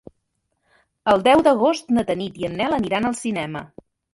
El deu d'agost na Tanit i en Nel aniran al cinema.